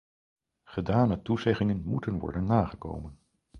Gedane toezeggingen moeten worden nagekomen.